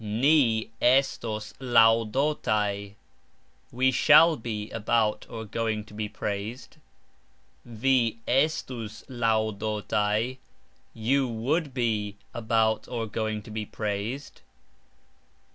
Ni estos lauxdotaj .......... We shall be about (going) to be praised. Vi estus lauxdotaj .......... You would be about (going) to be praised.